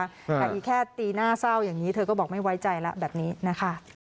แต่อีกแค่ตีหน้าเศร้าอย่างนี้เธอก็บอกไม่ไว้ใจแล้วแบบนี้นะคะ